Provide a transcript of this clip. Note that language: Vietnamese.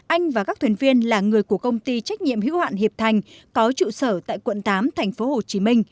anh và các thuyền viên là người của công ty trách nhiệm hữu hoạn hiệp thành có trụ sở tại quận tám thành phố hồ chí minh